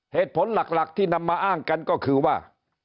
เหตุผลหลักที่นำมาอ้างกันก็คือว่า